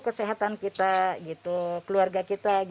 kesehatan kita keluarga kita